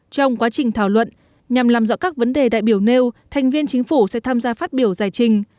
trong quá trình thảo luận nhằm làm rõ các vấn đề đại biểu nêu thành viên chính phủ sẽ tham gia phát biểu giải trình